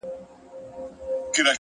خپل وخت له موخې سره وتړئ,